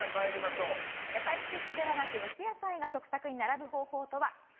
野菜スティックではなく蒸し野菜が食卓に並ぶ方法とは？